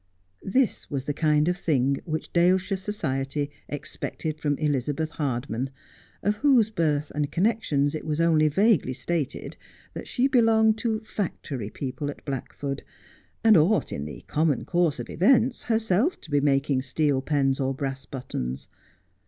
This was the kind of thing which Daleshire society expected from Elizabeth Hardman, of whose birth and connexions it was only vaguely stated that she belonged to factory people at Blackford, and ought, in the common course of events, herself to be making steel pens or brass buttons.